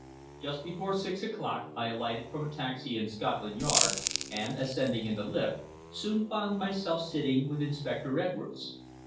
Just before six o'clock I alighted from a taxi in Scotland Yard, and, ascending in the lift, soon found myself sitting with Inspector Edwards.